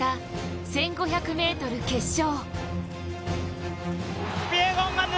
迎えた１５００ｍ決勝。